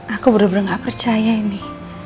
aku bener bener gak percaya ini